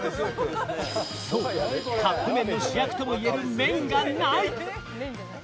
そうカップ麺の主役ともいえる麺がない。